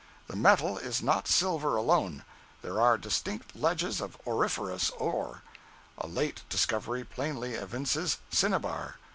The metal is not silver alone. There are distinct ledges of auriferous ore. A late discovery plainly evinces cinnabar.